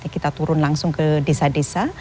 kita turun langsung ke desa desa